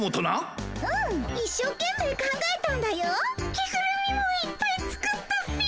着ぐるみもいっぱい作ったっピィ。